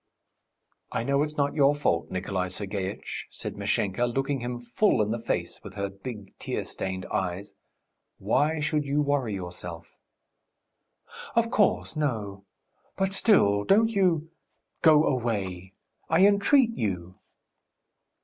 "I know it's not your fault, Nikolay Sergeitch," said Mashenka, looking him full in the face with her big tear stained eyes. "Why should you worry yourself?" "Of course, no.... But still, don't you ... go away. I entreat you."